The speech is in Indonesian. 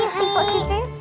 waalaikumsalam pak siti